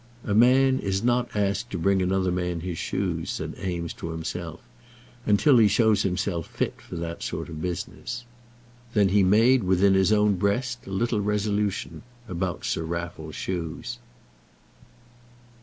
"A man is not asked to bring another man his shoes," said Eames to himself, "until he shows himself fit for that sort of business." Then he made within his own breast a little resolution about Sir Raffle's shoes.